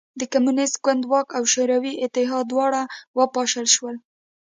د کمونېست ګوند واک او شوروي اتحاد دواړه وپاشل شول